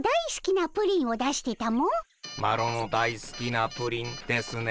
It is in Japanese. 「マロのだいすきなプリン」ですね？